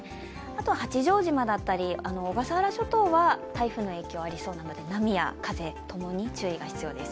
あと八丈島だったり小笠原諸島は、台風の影響ありそうなので、波や風、ともに注意が必要です。